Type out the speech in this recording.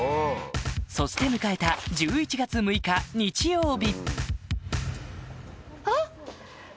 そして迎えた１１月６日日曜日